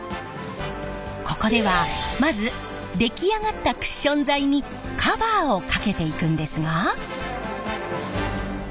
ここではまず出来上がったクッション材にカバーをかけていくんですが。